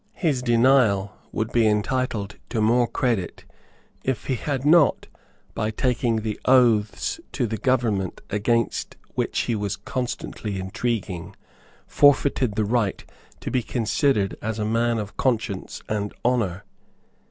His denial would be entitled to more credit if he had not, by taking the oaths to the government against which he was constantly intriguing, forfeited the right to be considered as a man of conscience and honour.